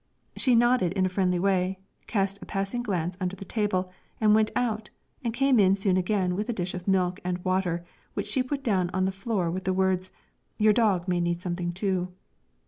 She nodded in a friendly way, cast a passing glance under the table, went out and came in soon again with a dish of milk and water, which she put down on the floor with the words, "Your dog may need something too."